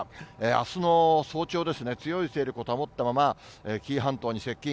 あすの早朝ですね、強い勢力を保ったまま、紀伊半島に接近。